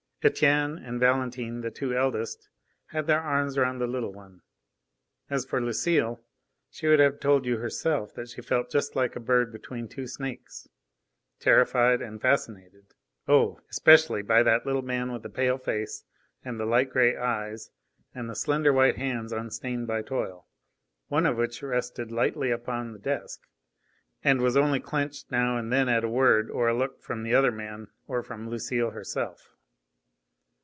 Etienne and Valentine, the two eldest, had their arms round the little one. As for Lucile, she would have told you herself that she felt just like a bird between two snakes terrified and fascinated oh! especially by that little man with the pale face and the light grey eyes and the slender white hands unstained by toil, one of which rested lightly upon the desk, and was only clenched now and then at a word or a look from the other man or from Lucile herself.